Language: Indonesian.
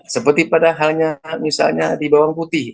seperti padahalnya misalnya di bawang putih